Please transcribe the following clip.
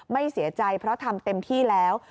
ไม่เสียใจเพราะทำเต็มที่แล้ว